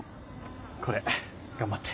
これ頑張って。